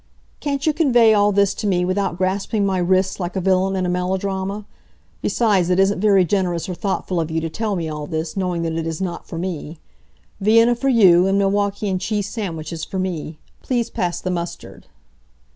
"Can't you convey all this to me without grasping my wrists like a villain in a melodrama? Besides, it isn't very generous or thoughtful of you to tell me all this, knowing that it is not for me. Vienna for you, and Milwaukee and cheese sandwiches for me. Please pass the mustard."